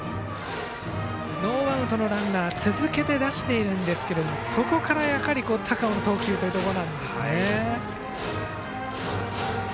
ノーアウトのランナーを続けて出していますがそこから高尾の投球がというところ。